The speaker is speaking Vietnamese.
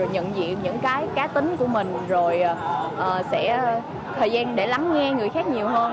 nhận diện những cái cá tính của mình rồi sẽ thời gian để lắng nghe người khác nhiều hơn